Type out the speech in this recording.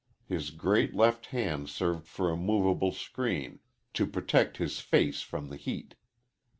His great left hand served for a movable screen to protect his face from the heat.